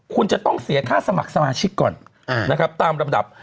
คุณจะต้องเสียค่าสมัครสมาชิกก่อนนะครับตามลำดับ